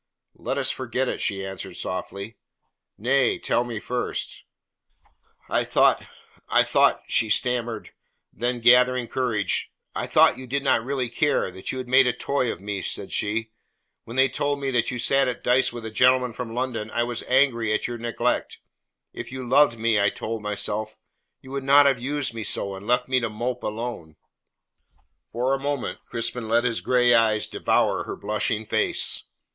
"Let us forget it," she answered softly. "Nay tell me first." "I thought I thought " she stammered; then, gathering courage, "I thought you did not really care, that you made a toy of me," said she. "When they told me that you sat at dice with a gentleman from London I was angry at your neglect. If you loved me, I told myself, you would not have used me so, and left me to mope alone." For a moment Crispin let his grey eyes devour her blushing face.